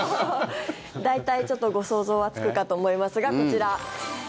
大体、ご想像はつくかと思いますがこちら。